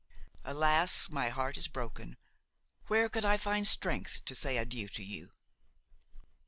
Alas! my heart is broken. Where could I find strength to say adieu to you!"